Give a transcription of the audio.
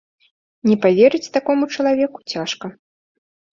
Не паверыць такому чалавеку цяжка.